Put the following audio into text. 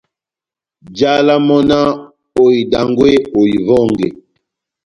Njálá mɔ́ náh :« Ohidangwe, ohiwɔnge !»